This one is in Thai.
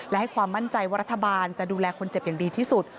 และให้ความมั่นใจว่ารัฐบาลจะดูแลคนเจ็บอย่างดีที่สุด